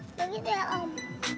oh gitu ya om